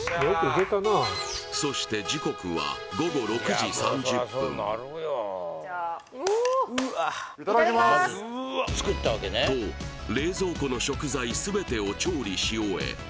そして時刻は午後６時３０分と冷蔵庫の食材全てを調理し終え